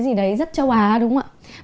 gì đấy rất châu á đúng không ạ